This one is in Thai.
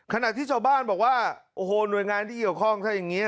ขณะที่ชาวบ้านบอกว่าโอ้โหหน่วยงานที่เกี่ยวข้องถ้าอย่างนี้